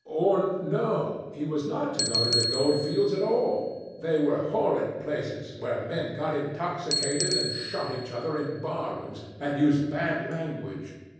Or, no. He was not to go to the gold fields at all. They were horrid places, where men got intoxicated, and shot each other in bar rooms, and used bad language.